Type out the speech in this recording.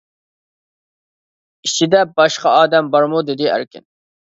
ئىچىدە باشقا ئادەم بارمۇ دېدى ئەركىن.